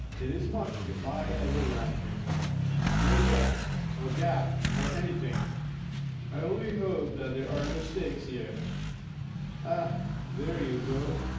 It is much if I ever land you. No net, or gaff, or anything. I only hope that there are no stakes here. Ah, there you go!